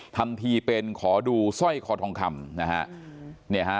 ทำที่เป็นขอดูสร้อยคอทองคำนะฮะ